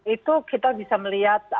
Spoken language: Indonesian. itu kita bisa melihat